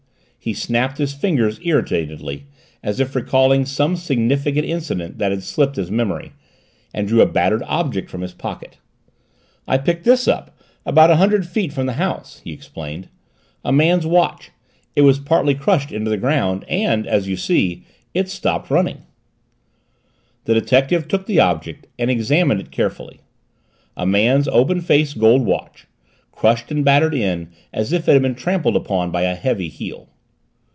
He snapped his fingers irritatedly, as if recalling some significant incident that had slipped his memory, and drew a battered object from his pocket. "I picked this up, about a hundred feet from the house," he explained. "A man's watch. It was partly crushed into the ground, and, as you see, it's stopped running." The detective took the object and examined it carefully. A man's open face gold watch, crushed and battered in as if it had been trampled upon by a heavy heel.